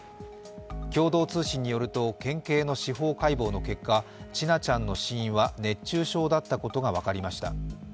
共同通信によると県警の司法解剖の結果、千奈ちゃんの死因は熱中症だったことが分かりました。